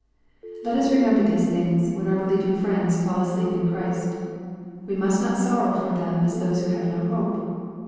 Let us remembei these things, when our believing friends fall asleep in Christ. We must not sorrow for them as those who have no hope.